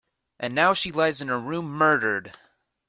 And now she lies in her room murdered!